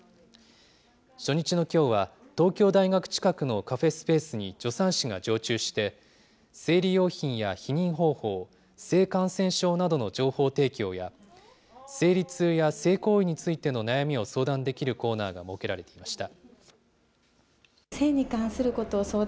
初日のきょうは、東京大学近くのカフェスペースに助産師が常駐して、生理用品や避妊方法、性感染症などの情報提供や、生理痛や性行為についての悩みを相談できるコーナーが設けられていました。